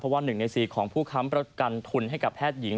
เพราะว่า๑ใน๔ของผู้ค้ำประกันธุรกรรมให้กับแพทย์หญิง